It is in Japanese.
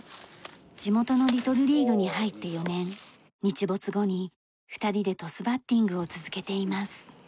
地元のリトルリーグに入って４年日没後に２人でトスバッティングを続けています。